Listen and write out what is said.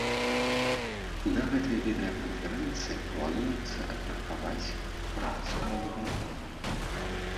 На гэтай відэаканферэнцыі плануецца абмеркаваць працу падгруп.